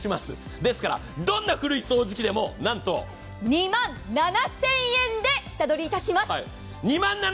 ですから、どんな古い掃除機でもなんと２万７０００円で下取りいたします。